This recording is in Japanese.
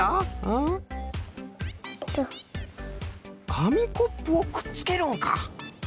かみコップをくっつけるんか。